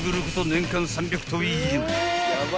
年間３００湯以上］